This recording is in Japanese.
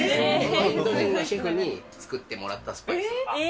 インド人のシェフに作ってもらったスパイス。